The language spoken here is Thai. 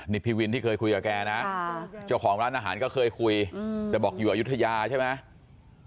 นี่พี่วินที่เคยคุยกับแกนะเจ้าของร้านอาหารก็เคยคุยแต่บอกอยู่อายุทยาใช่ไหม